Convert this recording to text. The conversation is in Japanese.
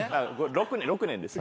６年です。